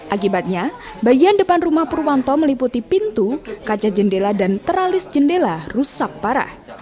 akibatnya bagian depan rumah purwanto meliputi pintu kaca jendela dan teralis jendela rusak parah